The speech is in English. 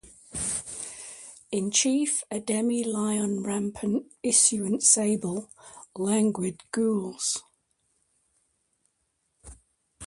In chief a demi lion rampant issuant sable, langued gules.